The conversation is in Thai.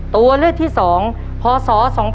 ตัวเลือกที่๒พศ๒๕๖